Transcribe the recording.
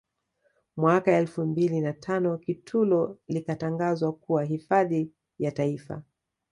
Mwaka elfu mbili na tano Kitulo likatangazwa kuwa hifadhi ya Taifa